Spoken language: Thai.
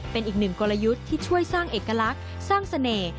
เป็นอีกหนึ่งกลยุทธ์ที่ช่วยสร้างเอกลักษณ์สร้างเสน่ห์